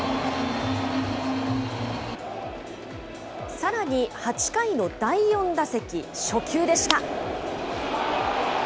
さらに８回の第４打席、初球でした。